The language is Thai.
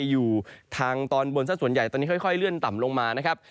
อยู่ทางตอนบนซะส่วนใหญ่ตอนนี้ค่อยเลื่อนต่ำลงมานะครับ